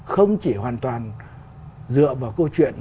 không chỉ hoàn toàn dựa vào câu chuyện